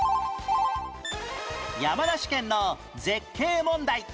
山梨県の絶景問題